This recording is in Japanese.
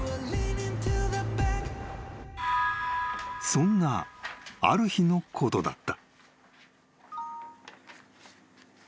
［そんなある日のことだった］